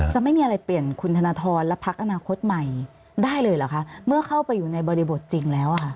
ไม่มีอะไรเปลี่ยนคุณธนทรและพักอนาคตใหม่ได้เลยเหรอคะเมื่อเข้าไปอยู่ในบริบทจริงแล้วอ่ะค่ะ